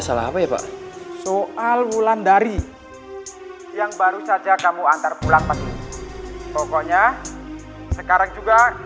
selama ya pak soal wulandari yang baru saja kamu antar pulang pergi pokoknya sekarang juga